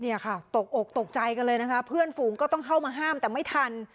เนี่ยค่ะตกอกตกใจกันเลยนะคะเพื่อนฝูงก็ต้องเข้ามาห้ามแต่ไม่ทัน